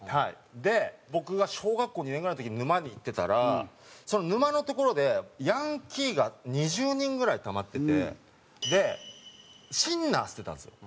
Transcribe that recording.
で僕が小学校２年ぐらいの時に沼に行ってたらその沼の所でヤンキーが２０人ぐらいたまっててシンナー吸ってたんですよ。